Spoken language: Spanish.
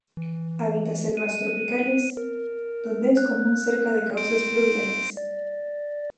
Habita selvas tropicales, donde es común cerca de cauces fluviales.